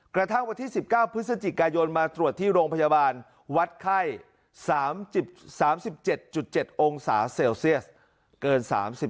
กระทั่งวันที่๑๙พฤศจิกายนมาตรวจที่โรงพยาบาลวัดไข้๓๗๗องศาเซลเซียสเกิน๓๕